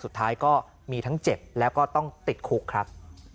สุดท้ายก็มีทั้งเจ็บแล้วก็ต้องติดคุกครับ